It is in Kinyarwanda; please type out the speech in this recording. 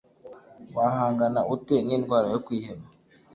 wahangana ute n indwara yo kwiheba